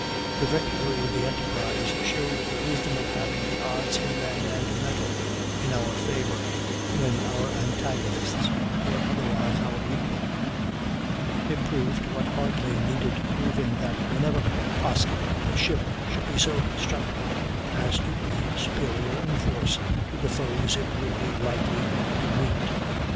The victory of the Enterprise showed the wisdom of having the odds in men and metal in our favor, when our antagonist was otherwise our equal; it proved, what hardly needed proving, that, whenever possible, a ship should be so constructed as to be superior in force to the foes it would be likely to meet.